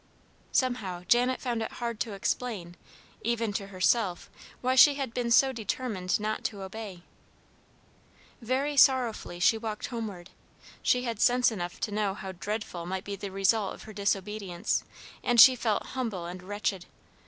Somehow Janet found it hard to explain, even to herself, why she had been so determined not to obey. Very sorrowfully she walked homeward. She had sense enough to know how dreadful might be the result of her disobedience, and she felt humble and wretched.